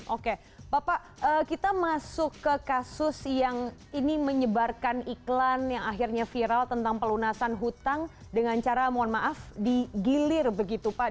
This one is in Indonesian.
oke bapak kita masuk ke kasus yang ini menyebarkan iklan yang akhirnya viral tentang pelunasan hutang dengan cara mohon maaf digilir begitu pak